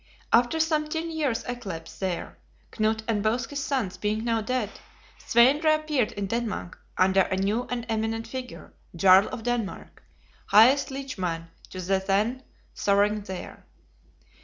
After some ten years' eclipse there, Knut and both his sons being now dead, Svein reappeared in Denmark under a new and eminent figure, "Jarl of Denmark," highest Liegeman to the then sovereign there.